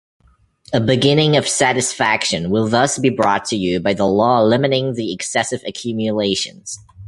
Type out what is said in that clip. A beginning of satisfaction will thus be brought to you by the law limiting the excessive accumulations.